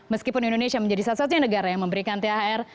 meskipun indonesia menjadi satu satunya negara yang memberikan thr